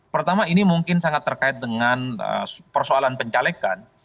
pertama ini mungkin sangat terkait dengan persoalan pencalekan